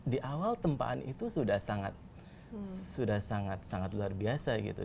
di awal tempaan itu sudah sangat luar biasa gitu